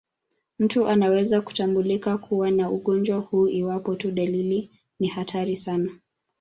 Mtu anaweza kutambulika kuwa na ugonjwa huu iwapo tu dalili ni hatari sana.